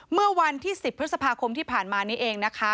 เมื่อวันที่๑๐พฤษภาคมที่ผ่านมานี้เองนะคะ